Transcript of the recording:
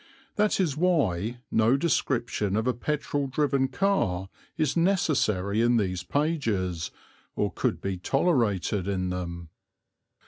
That is why no description of a petrol driven car is necessary in these pages or could be tolerated in them.